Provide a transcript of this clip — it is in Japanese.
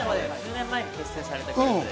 １０年前に結成されました。